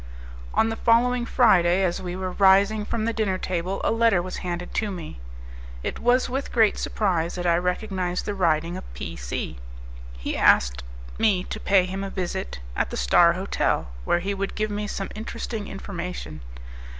On the following Friday, as we were rising from the dinner table, a letter was handed to me. It was with great surprise that I recognized the writing of P C . He asked me to pay him a visit at the "Star Hotel," where he would give me some interesting information.